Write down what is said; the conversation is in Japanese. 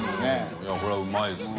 いこれはうまいですよ。